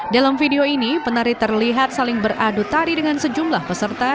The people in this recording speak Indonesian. dalam video ini penari terlihat saling beradu tari dengan sejumlah peserta